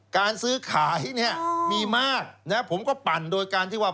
การซื้อขายเนี่ยมีมากนะผมก็ปั่นโดยการที่ว่า